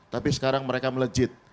tapi sekarang mereka melejit